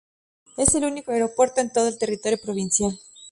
Es el único aeropuerto en toda el territorio provincial.